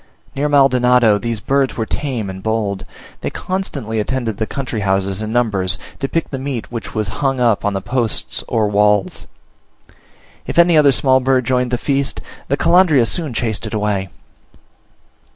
Near Maldonado these birds were tame and bold; they constantly attended the country houses in numbers, to pick the meat which was hung up on the posts or walls: if any other small bird joined the feast, the Calandria soon chased it away.